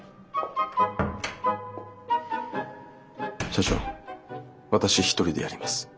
社長私一人でやります。